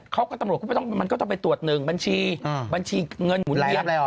เขาก็ตำรวจมันก็ต้องไปตรวจหนึ่งบัญชีเงินหมุนเวียน